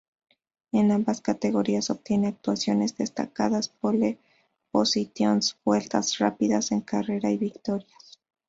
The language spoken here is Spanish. En ambas categorías obtiene actuaciones destacadas, pole-positions, vueltas rápidas en carrera, y victorias.